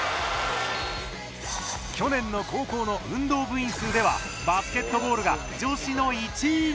去年の高校の運動部員数ではバスケットボールが女子の１位に。